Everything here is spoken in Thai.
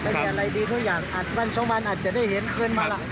ถ้ามีอะไรดีก็อยากอัดวันช่องวันอาจจะได้เห็นคืนมา